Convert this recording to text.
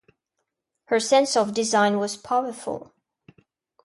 Her sense of design was powerful.